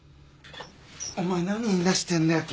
お前何言いだしてんだよ！？